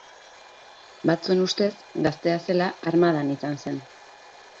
Batzuen ustez, gaztea zela, armadan izan zen.